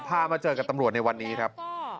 มาเจอกับตำรวจในวันนี้ครับ